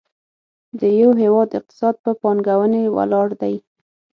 د یو هېواد اقتصاد په پانګونې ولاړ دی.